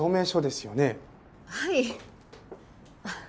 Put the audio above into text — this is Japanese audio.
はい。